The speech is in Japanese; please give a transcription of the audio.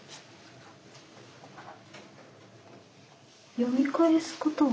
読み返すことは？